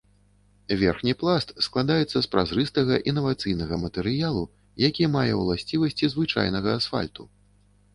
Верхні пласт складаецца з празрыстага інавацыйнага матэрыялу, які мае ўласцівасці звычайнага асфальту.